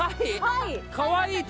かわいい鯛！